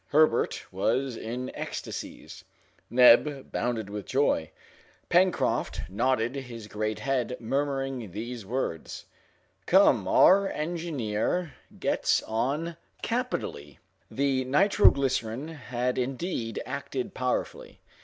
Herbert was in ecstasies, Neb bounded with joy, Pencroft nodded his great head, murmuring these words, "Come, our engineer gets on capitally!" The nitro glycerine had indeed acted powerfully.